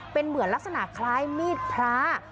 เป็นเหมือนลักษณะคล้ายมีดพระ